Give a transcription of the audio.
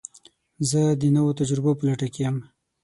زه د نوو تجربو په لټه کې یم.